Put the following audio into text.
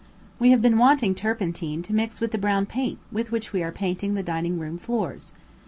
We have been wanting turpentine to mix with the brown paint with which we are painting, the dining room doors.